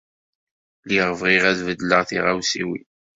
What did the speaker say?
Lliɣ bɣiɣ ad beddleɣ tiɣawsiwin.